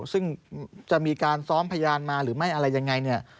ซึ่งจะมีการซ้อมพยานมาหรือไม่อะไรยังไงเนี่ย